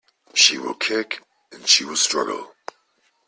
She will kick, she will struggle.